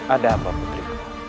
ada apa putriku